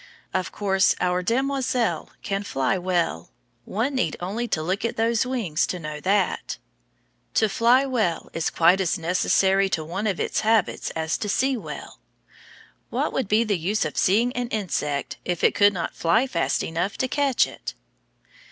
Of course our demoiselle can fly well; one need only look at those wings to know that. To fly well is quite as necessary to one of its habits as to see well. What would be the use of seeing an insect if it could not fly fast enough to catch it?